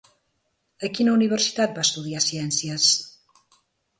A quina universitat va estudiar ciències?